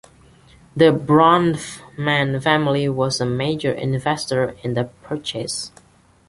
The Bronfman family was a major investor in the purchase.